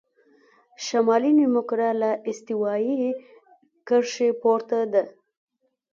شمالي نیمهکره له استوایي کرښې پورته ده.